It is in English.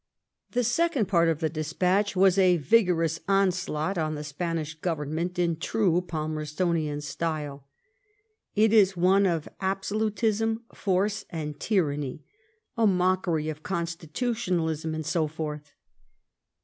The second part of the despatch was a vigorous onslaught on the Spanish Government in true Palmer Etonian style ; it was one of absolutism, force, and tyranny, a mockery of constitutionalism^ and so forth.